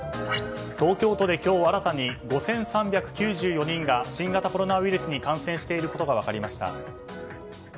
東京都で今日新たに５３９４人が新型コロナウイルスに感染していることが分かりました。